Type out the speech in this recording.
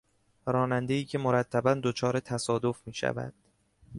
رانندهای که مرتبا دچار تصادف میشود